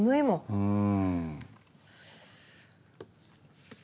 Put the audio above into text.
うん。